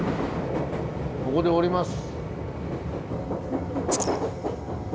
ここで降ります。